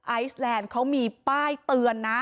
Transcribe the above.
ไอซแลนด์เขามีป้ายเตือนนะ